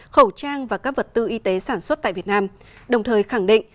khẩu trang và các vật tư y tế sản xuất tại việt nam đồng thời khẳng định